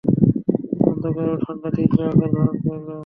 অন্ধকার ও ঠাণ্ডা তীব্র আকার ধারণ করল।